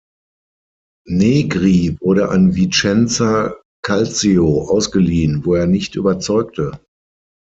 Negri wurde an Vicenza Calcio ausgeliehen, wo er nicht überzeugte.